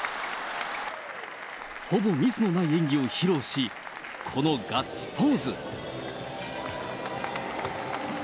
ほぼミスのない演技を披露し、このガッツポーズ。